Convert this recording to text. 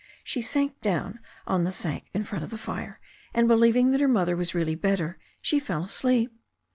She sank down on the sack in front of the fire, and believing that her mother was really better, ^he fell asleep.